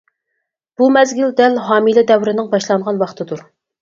بۇ مەزگىل دەل ھامىلە دەۋرىنىڭ باشلانغان ۋاقتىدۇر.